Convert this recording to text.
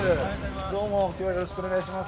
どうも今日はよろしくお願いします。